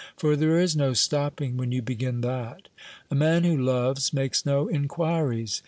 for there is no stopping when you begin that. A man who loves makes no inquiries.